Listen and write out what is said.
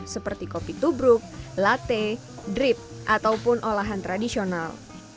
seperti kopi tubruk latte drip ataupun olahan tradisional